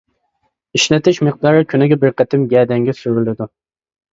ئىشلىتىش مىقدارى: كۈنىگە بىر قېتىم گەدەنگە سۈرۈلىدۇ.